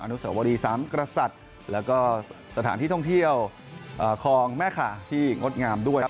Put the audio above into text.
นุสวรีสามกษัตริย์แล้วก็สถานที่ท่องเที่ยวคลองแม่ขาที่งดงามด้วย